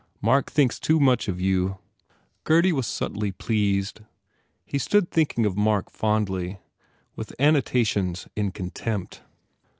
Mark thinks too much of you." Gurdy was subtly pleased. He stood thinking of Mark fondly, with annotations in contempt.